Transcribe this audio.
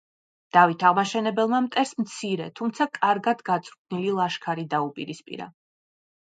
დავით აღმაშენებელმა მტერს მცირე, თუმცა კარგად გაწვრთნილი ლაშქარი დაუპირისპირა.